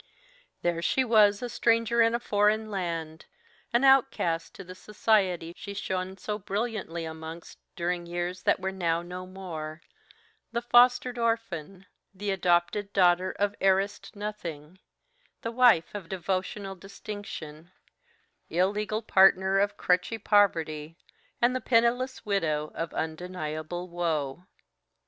There she was, a stranger in a foreign land an outcast to the society she shone so brilliantly amongst during years that were now no more, the fostered orphan, the adopted daughter of heiressed nothing, the wife of devotional distinction, the illegal partner of crutchy poverty, and the penniless widow of undeniable woe.